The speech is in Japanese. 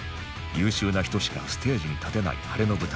優秀な人しかステージに立てない晴れの舞台